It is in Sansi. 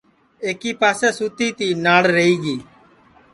ایکی پاسے سُتی تی ناݪ رہی گی